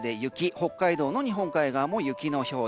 北海道の日本海側も雪の表示。